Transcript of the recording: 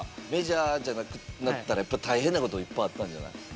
メジャーじゃなくなったらやっぱ大変なこともいっぱいあったんじゃない？